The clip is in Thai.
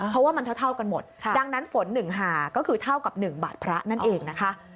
เพราะว่ามันเท่ากันหมดดังนั้นฝน๑หาก็คือเท่ากับ๑บาทพระนั่นเองนะคะ